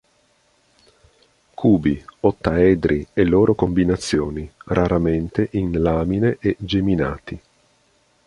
Cubi, ottaedri e loro combinazioni, raramente in lamine e geminati.